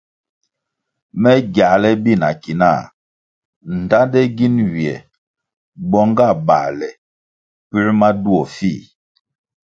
Me giāle bi na ki nah ndtande gin ywiè bong nga bāle puoē ma duo fih.